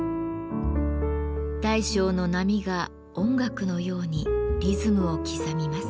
大小の波が音楽のようにリズムを刻みます。